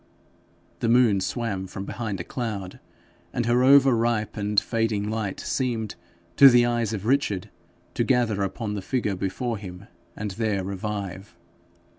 The moon swam from behind a cloud, and her over ripe and fading light seemed to the eyes of Richard to gather upon the figure before him and there revive.